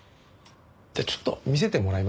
じゃあちょっと見せてもらいますね。